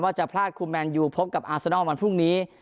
จะพลาดคูแมนยูพบกับอาซานอลวันพรุ่งนี้